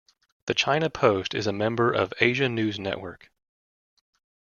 The China Post is a member of Asia News Network.